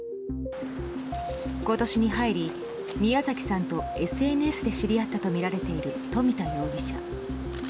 今年に入り、宮崎さんとＳＮＳで知り合ったとみられている冨田容疑者。